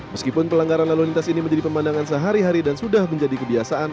meskipun pelanggaran lalu lintas ini menjadi pemandangan sehari hari dan sudah menjadi kebiasaan